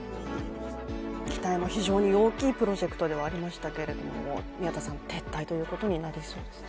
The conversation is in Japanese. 期待も非常に大きいプロジェクトでありましたけれども、撤退ということになりましたね。